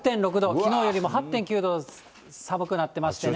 きのうよりも８．９度寒くなってましてね。